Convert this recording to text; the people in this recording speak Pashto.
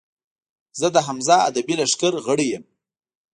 زۀ د حمزه ادبي لښکر غړے یم